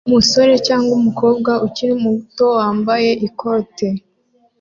Umusore cyangwa umukobwa ukiri muto wambaye ikoti